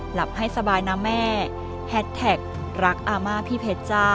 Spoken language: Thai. หลับให้สบายนะแม่